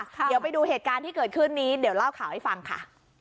เดี๋ยวไปดูเหตุการณ์ที่เกิดขึ้นนี้เดี๋ยวเล่าข่าวให้ฟังค่ะ